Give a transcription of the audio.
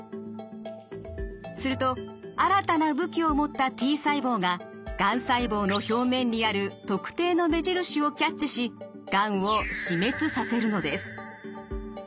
すると新たな武器を持ったＴ細胞ががん細胞の表面にある特定の目印をキャッチしがんを死滅させるのです。